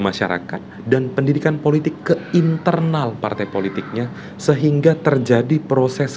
masyarakat dan pendidikan politik ke internal partai politiknya sehingga terjadi proses